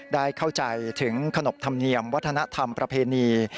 ได้เข้าใจถึงขนบธรรมเนียมวัฒนธรรมประเพณี